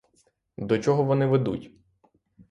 До чого вони ведуть?